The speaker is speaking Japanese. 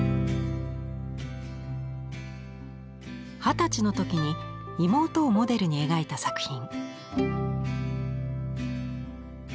二十歳の時に妹をモデルに描いた作品。